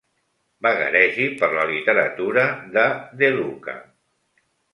Vagaregi per la literatura de De Luca.